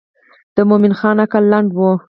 د مومن خان عقل لنډ و.